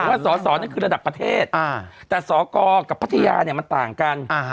ว่าสอสอนี่คือระดับประเทศอ่าแต่ศอกรกับพัทยาเนี้ยมันต่างกันอ่าฮะ